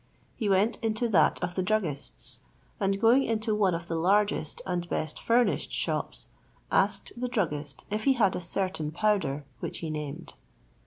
He went into that of the druggists; and going into one of the largest and best furnished shops, asked the druggist if he had a certain powder which he named.